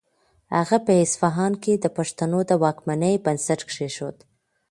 هغه په اصفهان کې د پښتنو د واکمنۍ بنسټ کېښود.